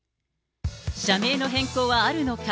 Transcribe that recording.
社名の変更はあるのか。